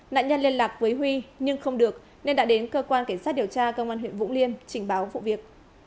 nạn nhân liên lạc với huy nhưng không được nên đã đến cơ quan cảnh sát điều tra công an huyện vũng liêm trình báo vụ việc